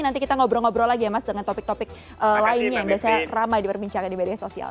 nanti kita ngobrol ngobrol lagi ya mas dengan topik topik lainnya yang biasanya ramai diperbincangkan di media sosial